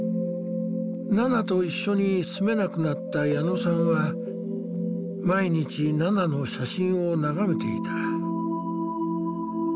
ナナと一緒に住めなくなった矢野さんは毎日ナナの写真を眺めていた。